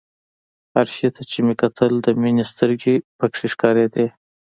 هر شي ته چې مې کتل د مينې سترګې پکښې ښکارېدې.